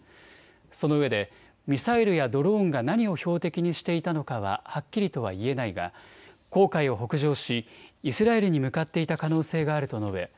そのうえでミサイルやドローンが何を標的にしていたのかははっきりとは言えないが紅海を北上しイスラエルに向かっていた可能性があると述べ